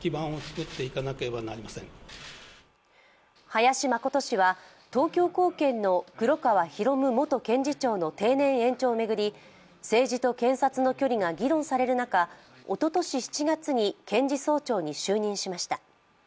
林真琴氏は東京高検の黒川弘務元検事総長の定年延長を巡り政治と検察の距離が議論される中、おととし７月に検事総長に就任しました。